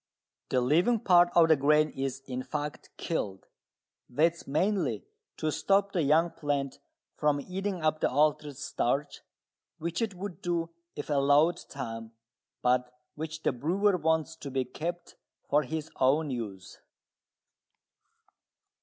The living part of the grain is, in fact, killed. That is mainly to stop the young plant from eating up the altered starch, which it would do if allowed time, but which the brewer wants to be kept for his own use.